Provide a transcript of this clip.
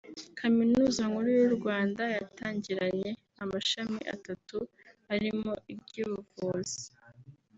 Kaminuza Nkuru y’u Rwanda yatangiranye amashami atatu arimo iry’ubuvuzi